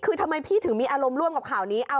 คือทำไมพี่ถึงมีอารมณ์ร่วมกับข่าวนี้